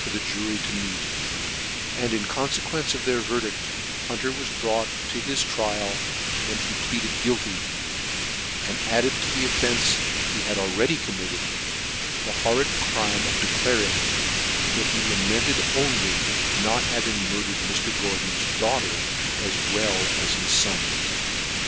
the juty to meet: and, in confequence of their verdidl, i^unter was brought to his trial, when he pleaded guilty , and added to the offence he had already committed, the horrid c:ime of de claring, that he lamented only the not having mur dered Mr. Gordon's daughter as well as his ions.